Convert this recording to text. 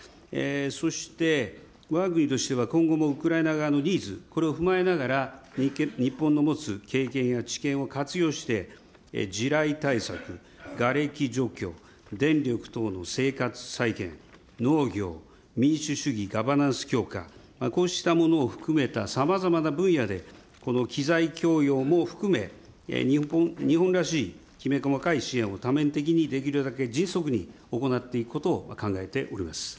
そしてわが国としては、今後もウクライナ側のニーズ、これを踏まえながら、日本の持つ経験や知見を活用して、地雷対策、がれき除去、電力等の生活再建、農業、民主主義ガバナンス強化、こうしたものを含めたさまざまな分野でこの機材供与も含め、日本らしい、きめ細かい支援を多面的にできるだけ迅速に行っていくことを考え